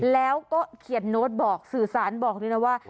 แล้วก็เขียนโน้ตบอกสื่อสารบอกด้วยนะว่า